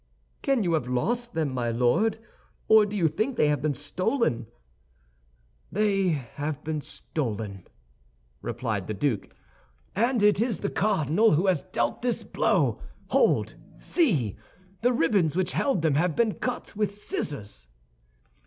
"Can you have lost them, my Lord, or do you think they have been stolen?" "They have been stolen," replied the duke, "and it is the cardinal who has dealt this blow. Hold; see! The ribbons which held them have been cut with scissors."